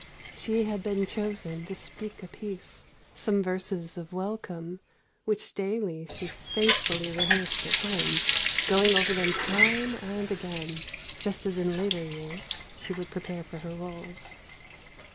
She had been chosen to speak a piece, some verses of welcome, which daily she faithfully rehearsed at home, going over them time and again, just as in later years she would prepare for her rôles.